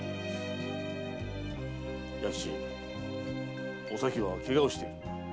弥吉お咲はケガをしている。